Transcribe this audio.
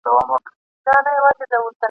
تر اسمانه وزرونه د ختلو ..